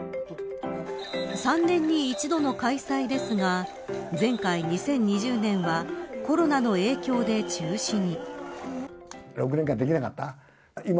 ３年に１度の開催ですが前回２０２０年はコロナの影響で中止に。